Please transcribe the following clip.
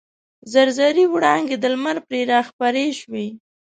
زر زري وړانګې د لمر پرې راخپرې شوې.